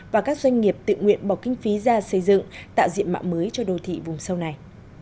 và các doanh nghiệp tự nguyện bỏ kinh phí ra xây dựng tạo diện mạo mới cho đô thị vùng sâu này